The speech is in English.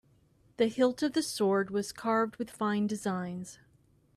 The hilt of the sword was carved with fine designs.